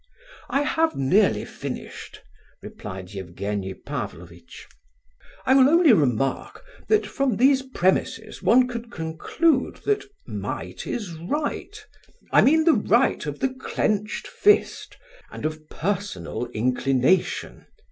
"I have nearly finished," replied Evgenie Pavlovitch. "I will only remark that from these premises one could conclude that might is right—I mean the right of the clenched fist, and of personal inclination.